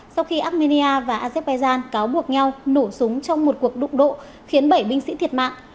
sau khi armenia và azerbaijan cáo buộc nhau nổ súng trong một cuộc đụng độ khiến bảy binh sĩ thiệt mạng